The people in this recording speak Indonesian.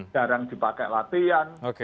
jarang dipakai latihan